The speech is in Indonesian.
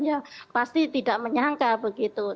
ya pasti tidak menyangka begitu